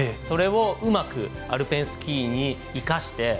それをうまくアルペンスキーに生かして